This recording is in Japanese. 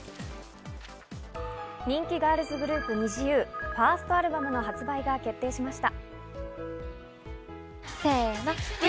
人気ガールズグループＮｉｚｉＵ、ファーストアルバムの発売が決定しました。